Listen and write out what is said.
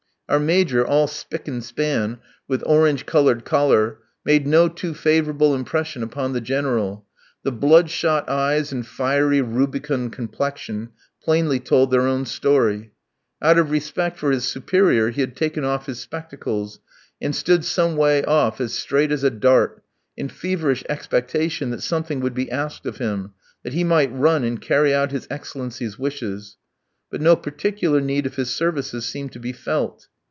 Our Major, all spick and span, with orange coloured collar, made no too favourable impression upon the General; the blood shot eyes and fiery rubicund complexion plainly told their own story. Out of respect for his superior he had taken off his spectacles, and stood some way off, as straight as a dart, in feverish expectation that something would be asked of him, that he might run and carry out His Excellency's wishes; but no particular need of his services seemed to be felt.